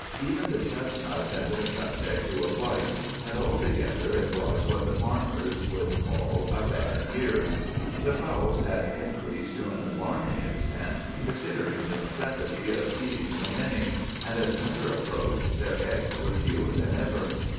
Even the chestnuts had been subject to a blight; and altogether it was what the farmers would call "a bad year." The fowls had increased to an alarming extent, considering the necessity of feeding so many, and as winter approached their eggs were fewer than ever.